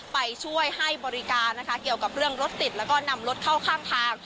ไปช่วยให้บริการนะคะเกี่ยวกับเรื่องรถติดแล้วก็นำรถเข้าข้างทาง